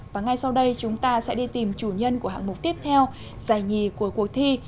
và ngay sau đây chúng ta sẽ đi tìm chủ nhân của hạng mục tiếp theo giải nhì của cuộc thi